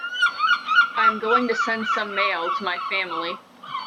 I am going to send some mail to my family.